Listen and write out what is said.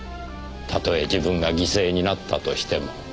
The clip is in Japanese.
たとえ自分が犠牲になったとしても。